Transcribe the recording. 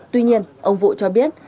tuy nhiên ông vũ cho biết